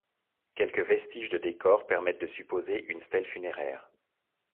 Quelques vestiges de décors permettent de supposer une stèle funéraire.